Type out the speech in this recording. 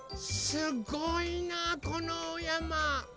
すごいなこのおやま。